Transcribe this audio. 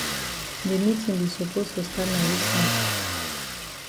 De meetin be suppose for stat na wich time.